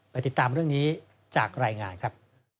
ติดตามเรื่องนี้จากรายงานครับ